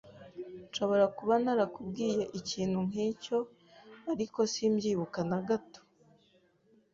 Nshobora kuba narakubwiye ikintu nkicyo, ariko simbyibuka na gato